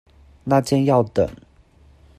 那間要等